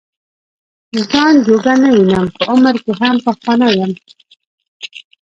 ځان جوګه نه وینم په عمر کې هم پخوانی یم.